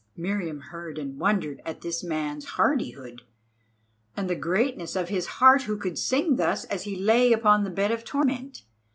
Meriamun heard and wondered at this man's hardihood, and the greatness of his heart who could sing thus as he lay upon the bed of torment.